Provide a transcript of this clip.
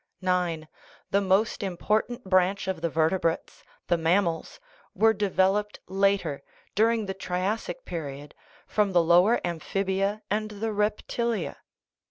(9) The most impor tant branch of the vertebrates, the mammals, were de veloped later (during the triassic period) from the lower amphibia and the reptilia.